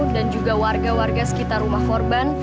dan juga warga warga sekitar rumah korban